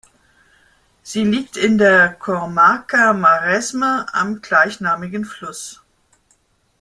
Sie liegt in der Comarca Maresme am gleichnamigen Fluss.